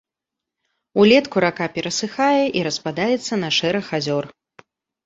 Улетку рака перасыхае і распадаецца на шэраг азёр.